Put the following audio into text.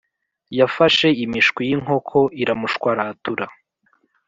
Yafashe imishwi y’inkoko iramushwaratura